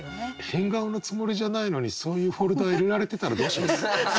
変顔のつもりじゃないのにそういうフォルダ入れられてたらどうします？